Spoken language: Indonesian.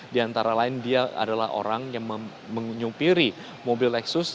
di antara lain dia adalah orang yang menyumpiri mobil lexus